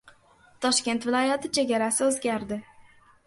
Toshkent viloyati chegarasi o‘zgardi